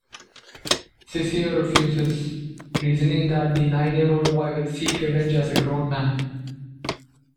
Ciccio refuses, reasoning that the nine-year-old boy will seek revenge as a grown man.